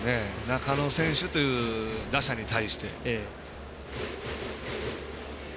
中野選手という打者に対して。